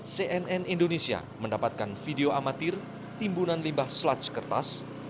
cnn indonesia mendapatkan video amatir timbunan limbah slotch kertas